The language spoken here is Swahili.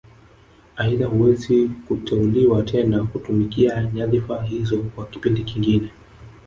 Aidha huweza kuteuliwa tena kutumikia nyadhifa hizo kwa kipindi kingine